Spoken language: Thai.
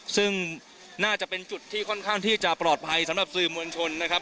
ซึ่งน่าจะเป็นจุดที่ค่อนข้างที่จะปลอดภัยสำหรับสื่อมวลชนนะครับ